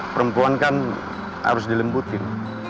perempuan kan harus dilembutin